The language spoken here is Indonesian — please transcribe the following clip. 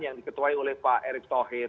yang diketuai oleh pak erick thohir